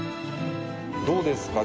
どうですか？